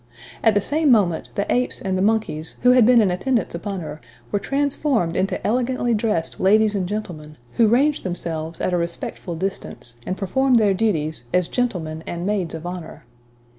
At the same moment, the Apes, and the Monkeys, who had been in attendance upon her, were transformed into elegantly dressed ladies and gentlemen, who ranged themselves at a respectful distance, and performed their duties, as Gentlemen, and Maids of Honor.